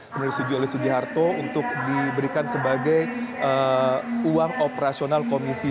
kemudian disetujui oleh sugiharto untuk diberikan sebagai uang operasional komisi